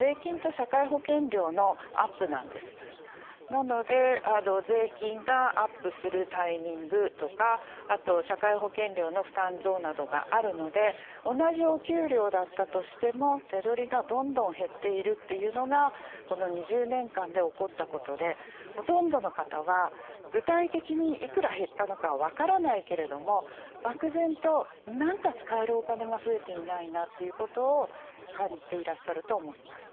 なので税金がアップするタイミングとかあと社会保険料の負担増などがあるので同じお給料だったとしても手取りがどんどん減っているというのがこの２０年間で起こったことでほとんどの方は具体的にいくら減ったのかは分からないけれども漠然と何か使えるお金が増えていないなということを感じていらっしゃると思います。